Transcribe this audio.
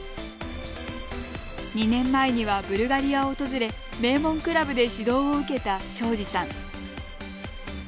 ２年前にはブルガリアを訪れ名門クラブで指導を受けた庄司さん。